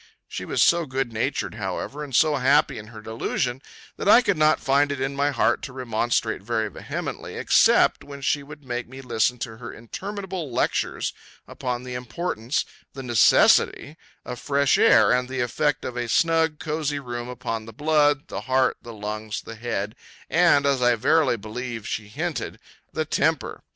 She was so good natured, however, and so happy in her delusion, that I could not find it in my heart to remonstrate very vehemently, except when she would make me listen to her interminable lectures upon the importance, the necessity, of fresh air, and the effect of a snug, cosy room upon the blood, the heart, the lungs, the head, and (as I verily believe she hinted) the temper.